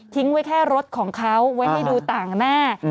ไว้แค่รถของเขาไว้ให้ดูต่างหน้า